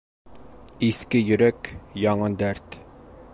Иҫке Йөрәк, яңы дәрт.